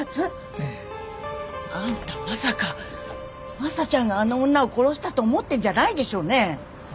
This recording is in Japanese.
ええ。あんたまさか昌ちゃんがあの女を殺したと思ってんじゃないでしょうね！？